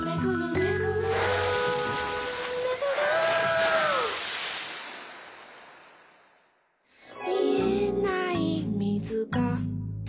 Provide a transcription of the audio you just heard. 「めぐる」「みえないみずが」